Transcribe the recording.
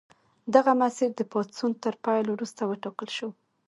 دغه مسیر د پاڅون تر پیل وروسته وټاکل شو.